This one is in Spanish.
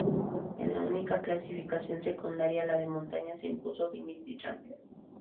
En la única clasificación secundaria, la de la montaña, se impuso Dimitri Champion.